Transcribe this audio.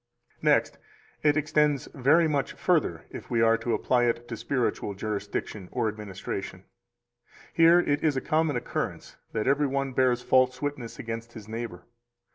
262 Next, it extends very much further, if we are to apply it to spiritual jurisdiction or administration; here it is a common occurrence that every one bears false witness against his neighbor.